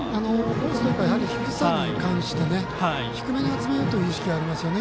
コースというか低さに関して低めに集めるという意識がありますよね。